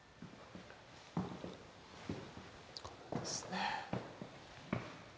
これですね。